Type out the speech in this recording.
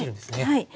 はい。